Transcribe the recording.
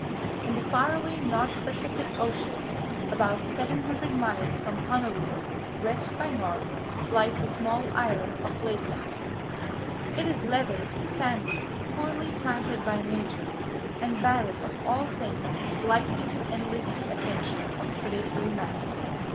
In the far away North Pacific Ocean, about seven hundred miles from Honolulu west b' north, lies the small island of Laysan. It is level, sandy, poorly planted by nature, and barren of all things likely to enlist the attention of predatory man.